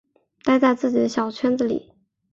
待在自己的小圈子里